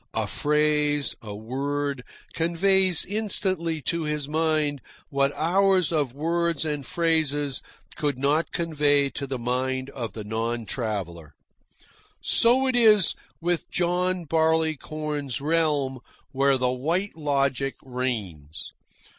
A phrase, a word, conveys instantly to his mind what hours of words and phrases could not convey to the mind of the non traveller. So it is with John Barleycorn's realm where the White Logic reigns.